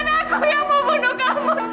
bukan aku yang mau bunuh kamu